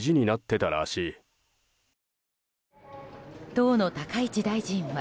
当の高市大臣は。